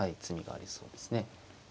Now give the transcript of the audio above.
詰みがありそうですね。